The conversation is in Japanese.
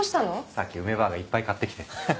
さっき梅ばあがいっぱい買ってきて。